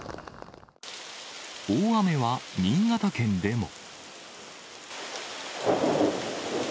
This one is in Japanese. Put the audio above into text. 大雨は新潟県でも。